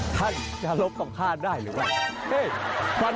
ท่านจะลบต่อข้าได้หรือเปล่า